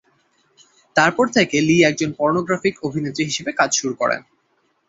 তারপর থেকে লি একজন পর্নোগ্রাফিক অভিনেত্রী হিসেবে কাজ শুরু করেন।